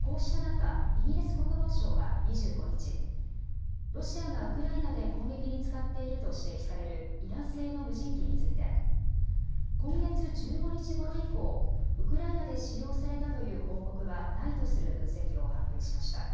こうした中、イギリス国防省は２５日、ロシアがウクライナで攻撃に使っていると指摘されるイラン製の無人機について今月１５日ごろ以降、ウクライナで使用されたという報告はないとする分析を発表しました。